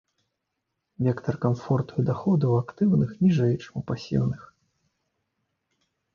Вектар камфорту і даходу ў актыўных ніжэй, чым у пасіўных.